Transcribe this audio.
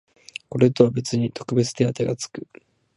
これとは別に特別手当てがつく